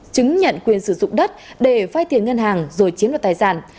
chứng nhận quyền sử dụng đất để phai tiền ngân hàng rồi chiếm đoạt tài sản